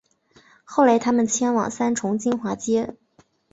后来他们迁往三重金华街